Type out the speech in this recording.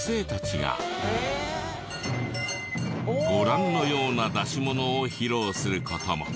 ご覧のような出し物を披露する事も。